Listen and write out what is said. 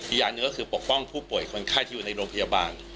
อีกอย่างหนึ่งก็คือปกป้องผู้ป่วยคนไข้ที่อยู่ในโรงพยาบาล